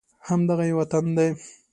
همدغه یې وطن دی